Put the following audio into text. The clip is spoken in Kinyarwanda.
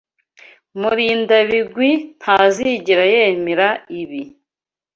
Murindabigwi ntazigera yemera ibi.